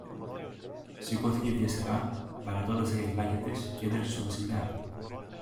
Σηκώθηκε βιαστικά, παρατώντας τα γυαλάκια της, κι έτρεξε στο Βασιλιά.